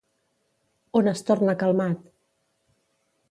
On es torna calmat?